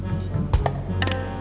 dalam menjalankan sebuah kegagalan